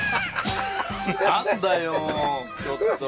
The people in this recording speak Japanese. なんだよちょっと。